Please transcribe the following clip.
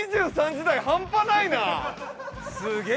２３時台、半端ないな！